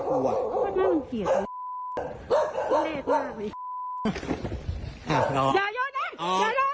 ทำไมเขาบอกตัวละ